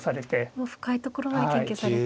もう深いところまで研究されて。